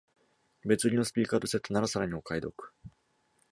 別売りのスピーカーとセットならさらにお買い得